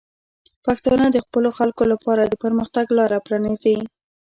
پښتانه د خپلو خلکو لپاره د پرمختګ لاره پرانیزي.